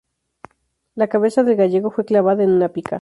La cabeza del gallego fue clavada en una pica.